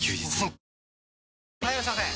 あふっ・はいいらっしゃいませ！